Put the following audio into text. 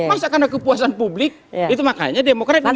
masa karena kepuasan publik itu makanya demokrati ini berbeda